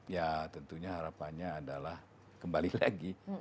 ya tentunya harapannya adalah kembali lagi